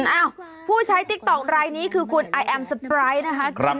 อ้าวผู้ใช้ติ๊กต๊อกไลน์นี้คือคุณไอแอมสเปรย์นะครับ